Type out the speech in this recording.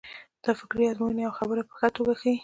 دا فکري ازموینه یوه خبره په ښه توګه ښيي.